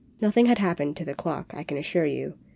Noth ing had happened to the clock, I can assure you.